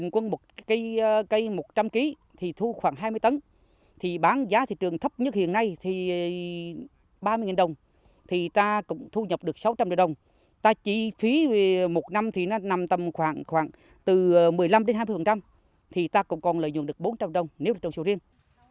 một trăm linh cây thu khoảng hai mươi tấn bán giá thị trường thấp nhất hiện nay ba mươi đồng thì ta cũng thu nhập được sáu trăm linh đồng ta chỉ phí một năm thì nó nằm tầm khoảng từ một mươi năm hai mươi thì ta cũng còn lợi dụng được bốn trăm linh đồng nếu là sổ riêng